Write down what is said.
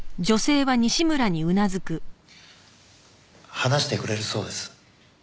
話してくれるそうです。